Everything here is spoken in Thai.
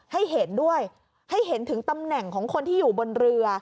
ให้เห็นด้วยให้เห็นถึงตำแหน่งของคนที่อยู่บนเรือ